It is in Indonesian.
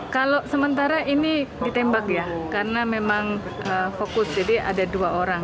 kalau sementara ini ditembak ya karena memang fokus jadi ada dua orang